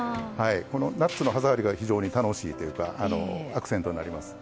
このナッツの歯触りが非常に楽しいというかアクセントになります。